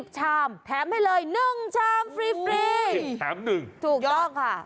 ชามแถมให้เลย๑ชามฟรีแถม๑ถูกต้องค่ะ